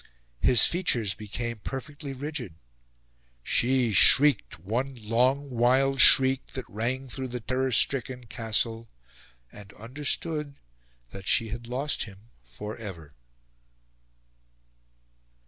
His features became perfectly rigid; she shrieked one long wild shriek that rang through the terror stricken castle and understood that she had lost him for ever.